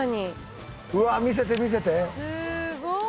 すごい。